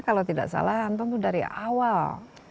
kalau tidak salah anton itu dari awal